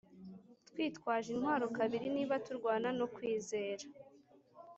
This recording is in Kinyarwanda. twitwaje intwaro kabiri niba turwana no kwizera.